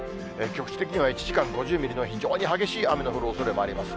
局地的には１時間に５０ミリの非常に激しい雨の降るおそれもあります。